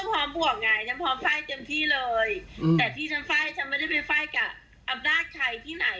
พร้อมบวกไงฉันพร้อมไฟล์เต็มที่เลยแต่ที่ฉันไฟล์ฉันไม่ได้ไปไฟล์กับอำนาจใครที่ไหน